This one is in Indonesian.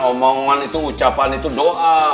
omongan itu ucapan itu doa